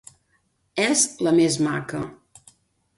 És la més maca.